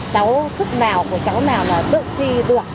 cháu sức nào của cháu nào là tự thi được